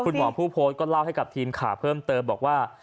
คุณหมอผู้โพสต์ก็เล่าให้กับทีมข่าวเพิ่มเติมบอกว่า